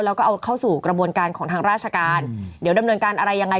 แล้วก็เอาเข้าสู่กระบวนการของทางราชการเดี๋ยวดำเนินการอะไรยังไง